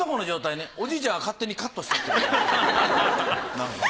おじいちゃんが勝手にカットしたとか。